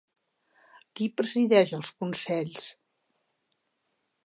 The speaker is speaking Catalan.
Qui presideix els consells?